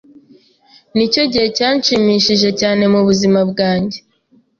Nicyo gihe cyanshimishije cyane mubuzima bwanjye.